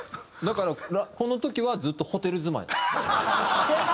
だからこの時はずっとホテル住まい。